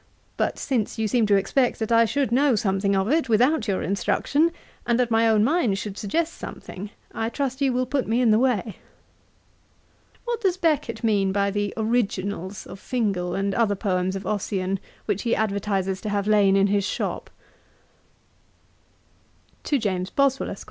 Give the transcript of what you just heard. But, since you seem to expect that I should know something of it, without your instruction, and that my own mind should suggest something, I trust you will put me in the way. 'What does Becket mean by the Originals of Fingal and other poems of Ossian, which he advertises to have lain in his shop?' 'TO JAMES BOSWELL, ESQ.